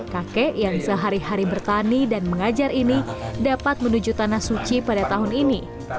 kakek yang sehari hari bertani dan mengajar ini dapat menuju tanah suci pada tahun ini